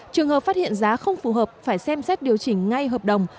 trường hợp phát hiện giá không phù hợp phải xem xét điều chỉnh ngay hợp đồng